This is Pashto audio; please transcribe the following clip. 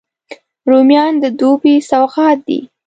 رومیان د دوبي سوغات دي